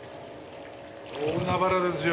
大海原ですよ。